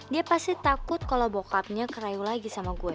dia pasti takut kalau bokapnya kerayu lagi sama gue